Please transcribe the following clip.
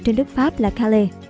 trên đất pháp là calais